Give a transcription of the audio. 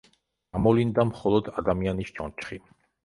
გამოვლინდა მხოლოდ ადამიანის ჩონჩხი.